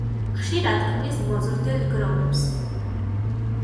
ხშირად ქმნის მოზრდილ გროვებს.